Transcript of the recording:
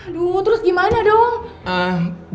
aduh terus gimana dong